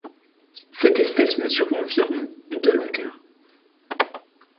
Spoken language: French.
Cette espèce mesure environ de longueur.